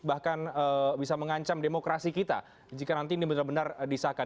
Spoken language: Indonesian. bahkan bisa mengancam demokrasi kita jika nanti ini benar benar disahkan